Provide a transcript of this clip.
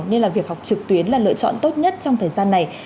nên là việc học trực tuyến là lựa chọn tốt nhất trong thời gian này